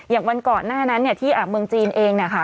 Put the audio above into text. อย่างวันก่อนหน้านั้นเนี่ยที่เมืองจีนเองเนี่ยค่ะ